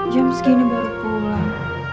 jam segini baru pulang